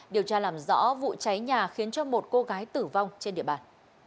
điều tra làm rõ vụ cháy nhà khiến cho một cô gái tử vong trên địa bàn